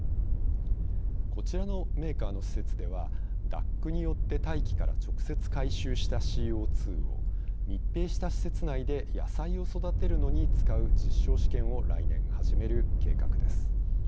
こちらのメーカーの施設ではＤＡＣによって大気から直接回収したＣＯ２を密閉した施設内で野菜を育てるのに使う実証試験を来年始める計画です。